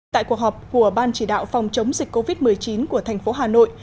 tại cuộc họp của ban chỉ đạo phòng chống dịch covid một mươi chín của thành phố hà nội